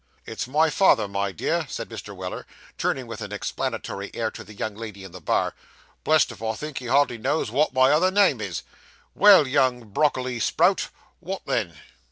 'It's my father, my dear,' said Mr. Weller, turning with an explanatory air to the young lady in the bar; 'blessed if I think he hardly knows wot my other name is. Well, young brockiley sprout, wot then?